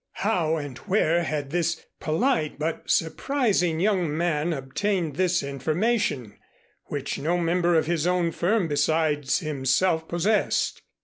How and where had this polite but surprising young man obtained this information, which no member of his own firm besides himself possessed.